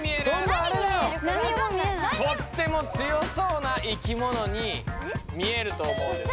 とっても強そうな生きものに見えると思うんです。